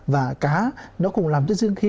và cá nó cũng làm cho dương khí